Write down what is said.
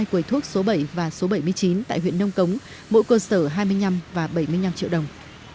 hai quầy thuốc số bảy và số bảy mươi chín tại huyện nông cống mỗi cơ sở hai mươi năm và bảy mươi năm triệu đồng